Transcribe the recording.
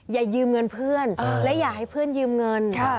อย่ายืมเงินเพื่อนและอย่าให้เพื่อนยืมเงิน